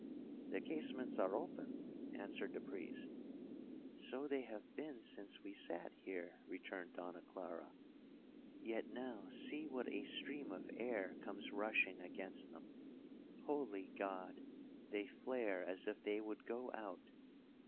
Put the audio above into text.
'The casements are open,' answered the priest. 'So they have been since we sat here,' returned Donna Clara; 'yet now see what a stream of air comes rushing against them! Holy God! they flare as if they would go out!'